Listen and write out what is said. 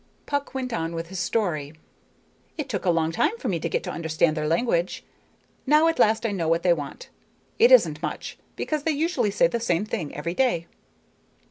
Puck went on with his story. "It took a long time for me to get to understand their language. Now at last I know what they want. It isn't much, because they usually say the same thing every day."